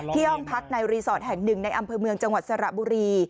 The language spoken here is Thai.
ห้องพักในรีสอร์ทแห่งหนึ่งในอำเภอเมืองจังหวัดสระบุรี